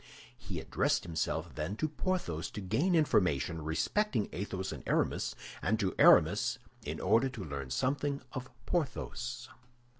He addressed himself then to Porthos to gain information respecting Athos and Aramis, and to Aramis in order to learn something of Porthos.